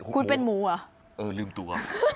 คุณเป็นหมูเหรอเออลืมตัว